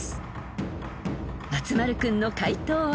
［松丸君の解答は］